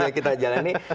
sudah kita jalani